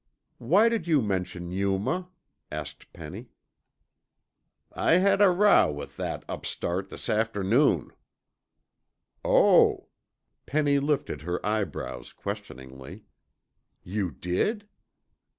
"Why did you mention Yuma?" asked Penny. "I had a row with that upstart this afternoon." "Oh " Penny lifted her eyebrows questioningly " you did?"